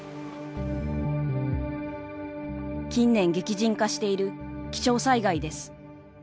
近年激甚化している気象災害です。